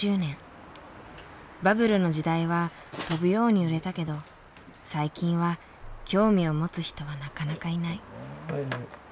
バブルの時代は飛ぶように売れたけど最近は興味を持つ人はなかなかいない。